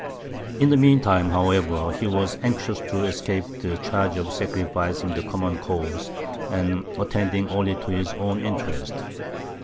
In the mean time, however, he was anxious to escape the charge of sacrificing the common cause and attending only to his own interests.